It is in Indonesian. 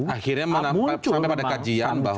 akhirnya sampai pada kajian bahwa